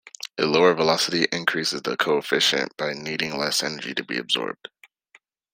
A lower velocity increases the coefficient by needing less energy to be absorbed.